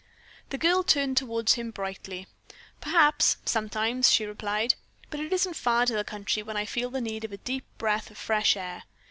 The girl turned toward him brightly. "Perhaps, sometimes," she replied. "But it isn't far to the country when I feel the need of a deep breath of fresh air."